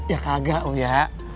ya kagak uya